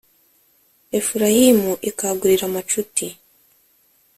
Efurayimu ikagurira amacuti!